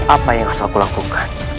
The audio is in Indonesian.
apa yang harus aku lakukan